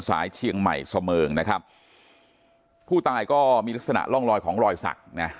สายเชียงใหม่เสมิงนะครับผู้ตายก็มีลักษณะร่องรอยของรอยสักนะ